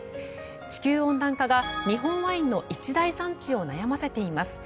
地球温暖化が日本ワインの一大産地を悩ませています。